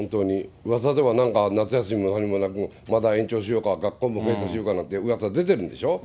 うわさではなんか、夏休みも何もなく、また延長しようか、学校も検討しようかなんてうわさが出てるんでしょ。